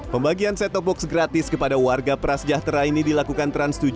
pembagian set top box gratis kepada warga prasejahtera ini dilakukan trans tujuh